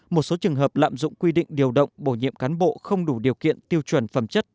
một số trường hợp lạm dụng quy định điều động bổ nhiệm cán bộ không đủ điều kiện tiêu chuẩn phẩm chất